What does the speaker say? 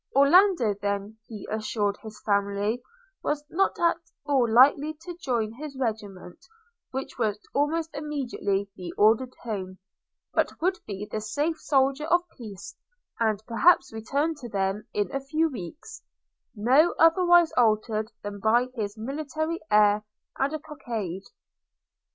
– Orlando then, he assured his family, was not at all likely to join his regiment, which would almost immediately be ordered home; but would be the safe soldier of peace, and perhaps return to them in a few weeks, no otherwise altered than by his military air and a cockade.